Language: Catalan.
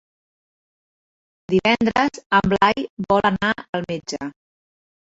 Divendres en Blai vol anar al metge.